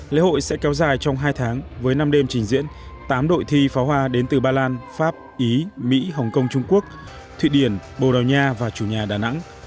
lễ hội sẽ kéo dài trong hai tháng với năm đêm trình diễn tám đội thi pháo hoa đến từ ba lan pháp ý mỹ hồng kông trung quốc thụy điển bồ đào nha và chủ nhà đà nẵng